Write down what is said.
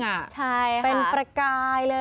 ใช่เป็นประกายเลย